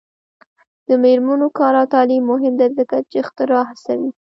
د میرمنو کار او تعلیم مهم دی ځکه چې اختراع هڅوي.